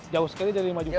jauh sekali dari lima juta